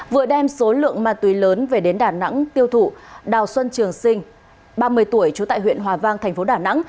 vừa đem số lượng ma túy lớn về đến đà nẵng tiêu thụ đào xuân trường sinh ba mươi tuổi trú tại huyện hòa vang thành phố đà nẵng